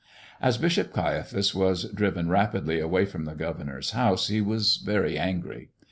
As Bishop Caiaphas was driven rapidly away from the governor's house he was very angry.